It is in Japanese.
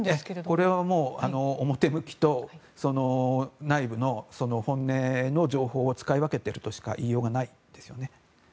これはもう表向きと、内部の本音の情報を使い分けているとしか言いようがないですよね。